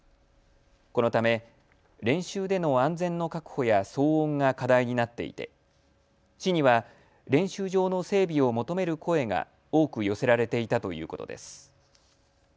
このため練習での安全の確保や騒音が課題になっていて市には練習場の整備を求める声が多く寄せられていたということです。